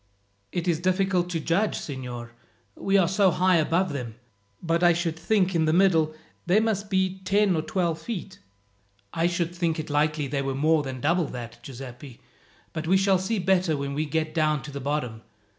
"It is difficult to judge, signor, we are so high above them; but I should think in the middle they must be ten or twelve feet." "I should think it likely they were more than double that, Giuseppi; but we shall see better when we get down to the bottom.